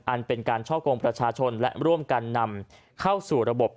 อันเป็นการช่อกงประชาชนและร่วมกันนำเข้าสู่ระบบ